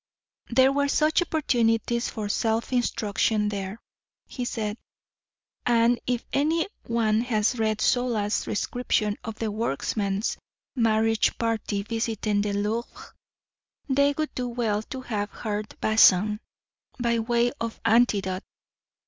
There were such opportunities for self instruction there, he said. And if any one has read Zola's description of the workman's marriage party visiting the Louvre, they would do well to have heard Bazin by way of antidote.